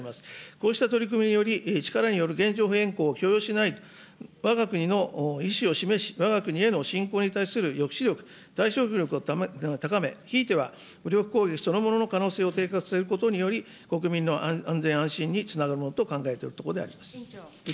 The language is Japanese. こうした取り組みにより、力による現状変更を許容しない、わが国の意思を示し、わが国への侵攻に対する抑止力、対処力を高め、ひいては武力攻撃そのものの可能性を低下させることにより、国民の安全安心につながるものと考えておるところであります。